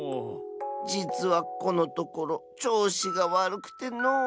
じつはこのところちょうしがわるくてのう。